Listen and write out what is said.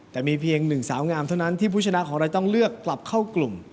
แต่มีเพียงหนึ่งสาวงามเท่านั้นที่ผู้ชนะของเราต้องเลือกกลับเข้ากลุ่ม